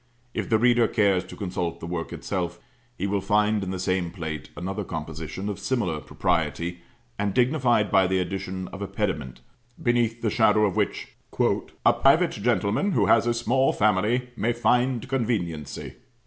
If the reader cares to consult the work itself, he will find in the same plate another composition of similar propriety, and dignified by the addition of a pediment, beneath the shadow of which "a private gentleman who has a small family may find conveniency."